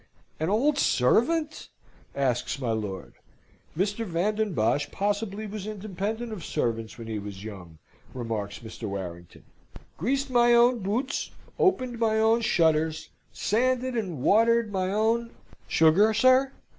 an old servant?" asks my lord. "Mr. Van den Bosch possibly was independent of servants when he was young," remarks Mr. Warrington. "Greased my own boots, opened my own shutters, sanded and watered my own " "Sugar, sir?"